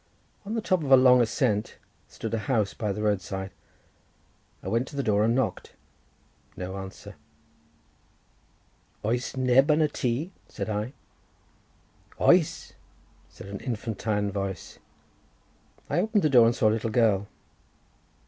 On the top of a long ascent stood a house by the roadside. I went to the door and knocked—no answer—"Oes neb yn y tŷ?" said I. "Oes!" said an infantine voice. I opened the door, and saw a little girl.